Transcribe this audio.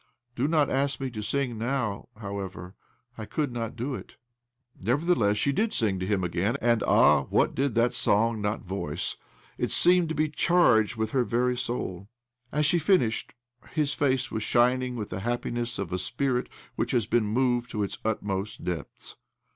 Do not ask me to sing now, howievei' — I could not do it." Nevertheless she did sing to him again ; and, ah ! what did that song not voice ? It see^ieid to be charged with her very soul. As she finished, his face was shining with І7б OBLOMOV the happiness of a spirit which has been moved to its utmost depths.